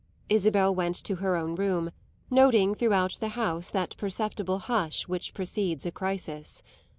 Isabel went to her own room, noting throughout the house that perceptible hush which precedes a crisis.